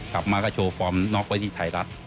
กลับมาก็โชว์ฟอร์มน็อกไว้ที่ไทยรัฐ